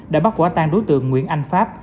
đã bắt quả tăng đối tượng nguyễn anh pháp